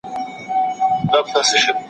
ډيموکراسي ولس ته د پرېکړې واک ورکوي.